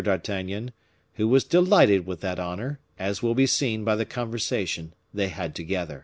d'Artagnan, who was delighted with that honor, as will be seen by the conversation they had together.